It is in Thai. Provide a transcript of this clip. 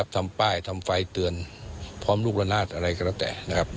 ทำป้ายทำไฟเตือนพร้อมลูกละนาดอะไรก็แล้วแต่นะครับ